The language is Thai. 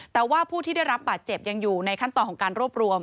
แต่ว่าผู้ที่ได้รับบาดเจ็บยังอยู่ในขั้นตอนของการรวบรวม